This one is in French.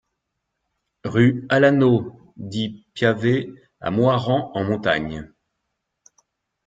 Rue Alano Di Piave à Moirans-en-Montagne